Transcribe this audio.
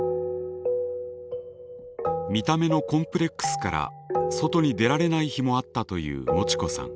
見た目のコンプレックスから外に出られない日もあったというもちこさん。